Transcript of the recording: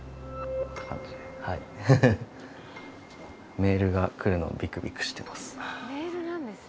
メールが来るのをビクビクしてます。